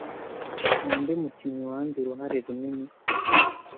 Ninde mukinnyi wanze uruhare runini